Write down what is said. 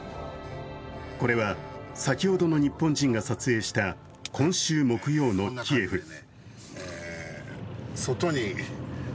これは先ほどの日本人が撮影した今週木曜のキエフ。